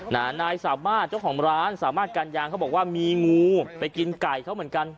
นะฮะเน้นะสามารถเข้ากันยางเค้าบอกว่ามีงูไปกินไก่เค้าเหมือนกัน